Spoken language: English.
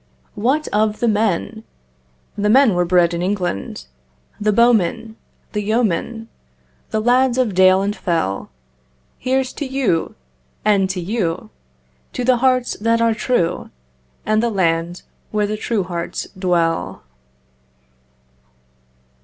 What of the men? The men were bred in England: The bowmen—the yeomen, The lads of dale and fell. Here's to you—and to you! To the hearts that are true And the land where the true hearts dwell.